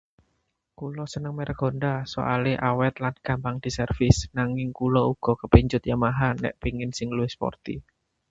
Kula seneng merek Honda, soale awet lan gampang diservis. Nanging kula uga kepincut Yamaha nek pengin sing luwih sporty.